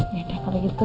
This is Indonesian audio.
ya udah kalau gitu